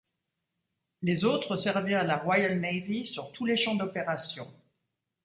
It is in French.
Les autres servirent la Royal Navy sur tous les champs d'opérations.